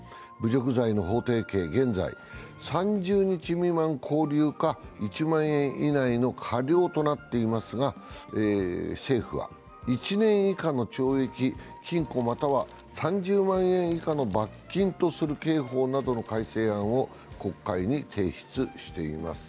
侮辱罪の法定刑、現在３０日未満の拘留か、１万円以内の科料となっていますが政府は、１年以下の懲役・禁錮または３０万円以下の罰金とする刑法などの改正案を国会に提出しています。